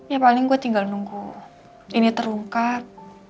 ya paling gue tinggal nunggu ini terungkap